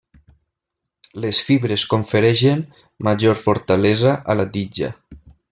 Les fibres confereixen major fortalesa a la tija.